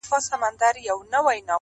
د پلرونو د نیکونو له داستانه یمه ستړی!.